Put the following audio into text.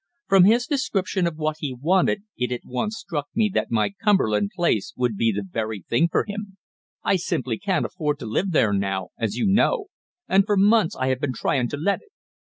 From his description of what he wanted it at once struck me that my Cumberland Place house would be the very thing for him I simply can't afford to live there now, as you know, and for months I have been tryin' to let it.